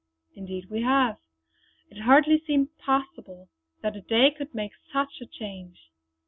"Indeed we have. It hardly seems possible that a day could make such a change!"